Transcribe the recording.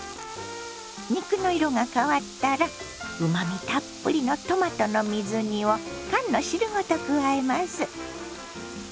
肉の色が変わったらうまみたっぷりのトマトの水煮を缶の汁ごと加えます。